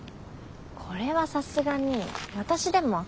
これはさすがに私でも分かるよ。